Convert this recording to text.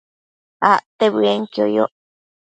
Acte bëenquio yoc